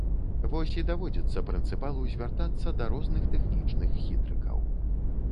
Вось і даводзіцца прынцыпалу звяртацца да розных тэхнічных хітрыкаў.